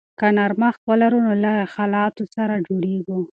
که نرمښت ولرو نو له حالاتو سره جوړیږو.